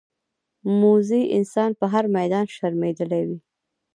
موزي انسان په هر میدان شرمېدلی وي.